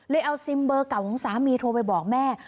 เอาซิมเบอร์เก่าของสามีโทรไปบอกแม่